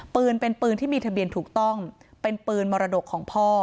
ปืนเป็นปืนที่มีทะเบียนถูกต้องเป็นปืนมรดกของพ่อ